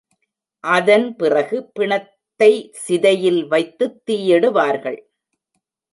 அதன் பிறகு பிணத்தைச் சிதையில் வைத்துத் தீயிடுவார்கள்.